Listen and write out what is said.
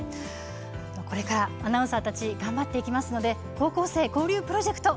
これからアナウンサーたち頑張っていきますので高校生交流プロジェクト